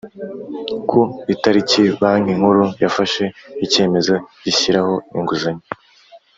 ku itariki Banki Nkuru yafashe icyemezo gishyiraho inguzanyo